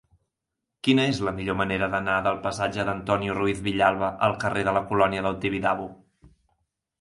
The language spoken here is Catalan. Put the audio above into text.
Quina és la millor manera d'anar del passatge d'Antonio Ruiz Villalba al carrer de la Colònia del Tibidabo?